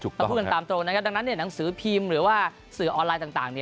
ถ้าพูดกันตามตรงนะครับดังนั้นหนังสือพิมพ์หรือว่าสื่อออนไลน์ต่าง